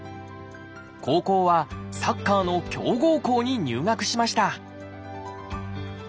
高校はサッカーの強豪校に入学しました